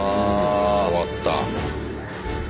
終わった。